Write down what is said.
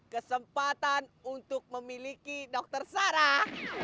kesempatan untuk memiliki dokter sarah